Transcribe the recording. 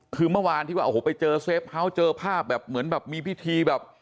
คือเมื่อวานที่ว่าโอ้โหไปเจอเซฟเฮาส์เจอภาพแบบเหมือนแบบมีพิธีแบบ